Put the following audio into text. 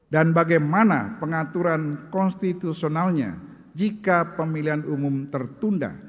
dan bagaimana pengaturan konstitusionalnya jika pemilihan umum tertunda